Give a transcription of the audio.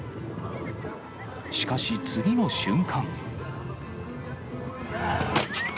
しかし、次の瞬間。